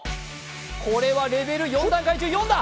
これはレベル４段階中４だ。